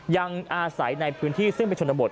ยังอาศัยในพื้นที่ซึ่งเป็นชนบท